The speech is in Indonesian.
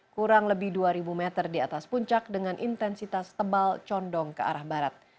kurang lebih dua ribu meter di atas puncak dengan intensitas tebal condong ke arah barat